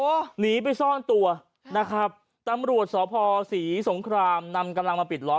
โอ้โหหนีไปซ่อนตัวนะครับตำรวจสพศรีสงครามนำกำลังมาปิดล้อม